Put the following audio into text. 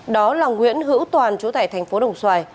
đó là nguyễn hữu toàn chủ tài thành phố đồng xoài